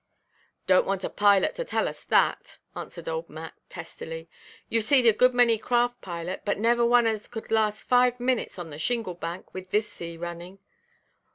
"Donʼt want a pilot to tell us that," answered old Mac, testily. "Youʼve seed a many good craft, pilot, but never one as could last five minutes on the Shingle Bank, with this sea running."